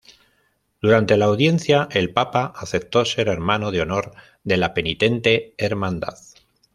Durante la audiencia el Papa aceptó ser hermano de Honor de la Penitente Hermandad.